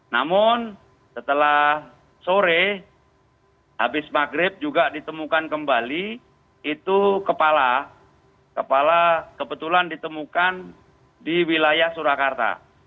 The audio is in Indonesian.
namun setelah sore habis maghrib juga ditemukan kembali itu kepala kepala kebetulan ditemukan di wilayah surakarta